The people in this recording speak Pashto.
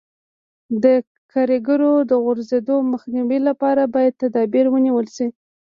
د کاریګرو د غورځېدو مخنیوي لپاره باید تدابیر ونیول شي.